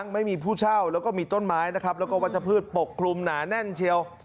ไม่มีผู้เช่าแล้วก็มีต้นไม้นะครับแล้วก็วัชพืชปกคลุมหนาแน่นเชียว